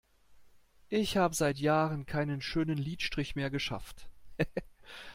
Ich hab seit Jahren keinen schönen Lidstrich mehr geschafft.